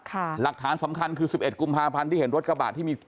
ค่ะหลักฐานสำคัญคือสิบเอ็ดกุมภาพันธ์ที่เห็นรถกระบาดที่มี